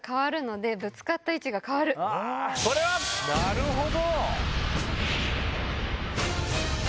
なるほど！